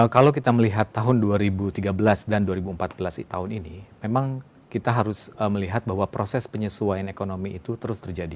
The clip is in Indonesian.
kalau kita melihat tahun dua ribu tiga belas dan dua ribu empat belas tahun ini memang kita harus melihat bahwa proses penyesuaian ekonomi itu terus terjadi